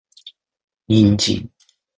人参